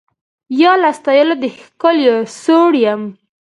یا له ستایلو د ښکلیو سوړ یم